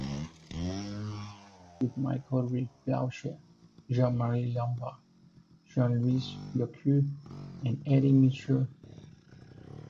He succeeds Michel Rivgauche, Jean-Marie Lamblard, Jean-Louis Foulquier and Eddy Mitchell.